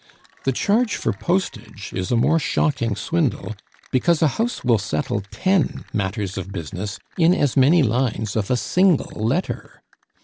The charge for postage is a more shocking swindle, because a house will settle ten matters of business in as many lines of a single letter.